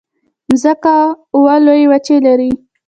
مځکه اوه لویې وچې لري.